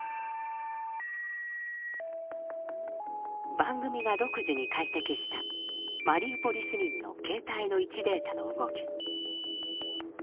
番組が独自に解析したマリウポリ市民の携帯の位置データの動き。